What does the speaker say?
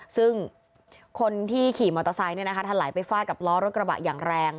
ซึ่งคนที่ขี่มอเตอร์ไซค์ทะไหลไปฟาดกับล้อรถกระบะอย่างแรง